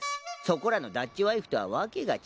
そこらのダッチワイフとは訳が違う。